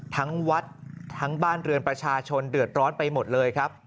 ทั้งวัดทั้งบ้านเรือนประชาชนเดือดร้อนไปหมดเลยครับ